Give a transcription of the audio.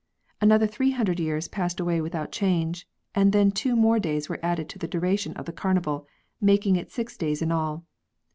Another three hundred years passed away without change, and then two more days were added to the duration of the carnival, making it six days in all.